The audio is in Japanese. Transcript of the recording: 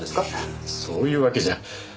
いやそういうわけじゃ。